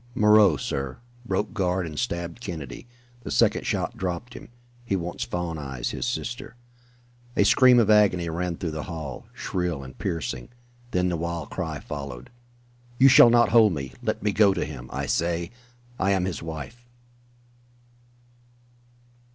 "Moreau, sir! Broke guard and stabbed Kennedy. The second shot dropped him. He wants Fawn Eyes, his sister." A scream of agony rang through the hall, shrill and piercing. Then the wild cry followed: "You shall not hold me! Let me go to him, I say I am his wife!"